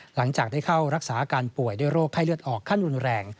หลังจากได้เข้ารักษาอาการป่วยด้วยโรคไข้เลือดออกขั้นรุนแรง